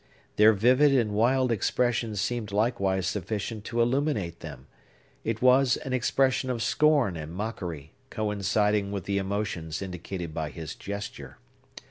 Their vivid and wild expression seemed likewise sufficient to illuminate them; it was an expression of scorn and mockery, coinciding with the emotions indicated by his gesture.